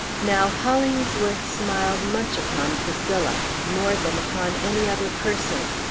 Now, Hollingsworth smiled much upon Priscilla, more than upon any other person.